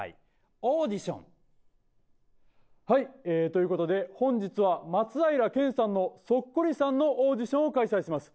という事で本日は松平健さんのそっくりさんのオーディションを開催します。